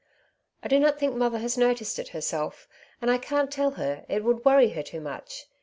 I do not think mother has noticed it herself, and I can't tell her, it would worry her too much.